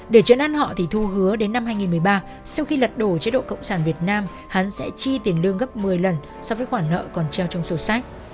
để chấn ăn họ thì thu hứa đến năm hai nghìn một mươi ba sau khi lật đổ chế độ cộng sản việt nam hán sẽ chi tiền lương gấp một mươi lần so với khoản nợ còn treo trong sổ sách